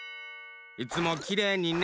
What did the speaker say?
いつもきれいにね。